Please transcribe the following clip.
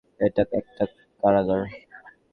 এটা একটা কারাগার।